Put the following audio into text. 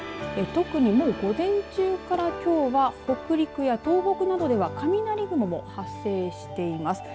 特に午前中からきょうは北陸や東北などでは雷雲も発生しています。